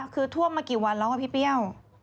คือท่วมมากี่วันแล้วพี่เปรี้ยว